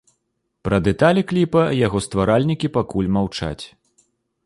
Пра дэталі кліпа яго стваральнікі пакуль маўчаць.